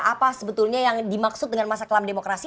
apa sebetulnya yang dimaksud dengan masa kelam demokrasi